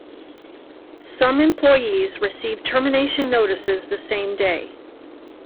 Some employees received termination notices the same day.